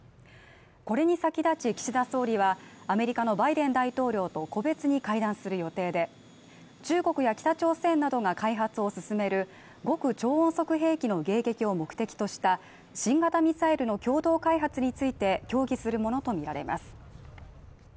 これに先立ち岸田総理はアメリカのバイデン大統領と個別に会談する予定で中国や北朝鮮などが開発を進める極超音速兵器の迎撃を目的とした新型ミサイルの共同開発について協議するものと見られます